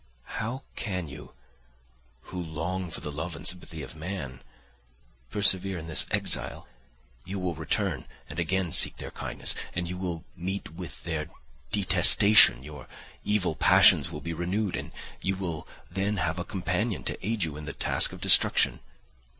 How can you, who long for the love and sympathy of man, persevere in this exile? You will return and again seek their kindness, and you will meet with their detestation; your evil passions will be renewed, and you will then have a companion to aid you in the task of destruction.